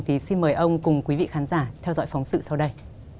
thì xin mời ông cùng quý vị khán giả theo dõi phóng sự sau đây